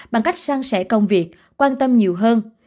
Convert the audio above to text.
bằng cách sang sẻ công việc quan tâm nhiều hơn